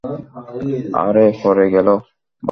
আরে, পরেই গেল।